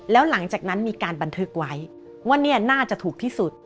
แล้วหลังจากนั้นมีการบันทึกไว้ว่าเนี่ยน่าจะถูกที่สุด